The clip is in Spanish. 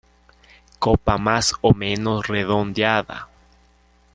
Copa más o menos redondeada.